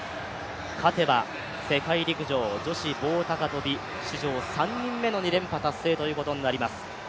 勝てば世界陸上、女子棒高跳史上３人目の２連覇達成ということになります。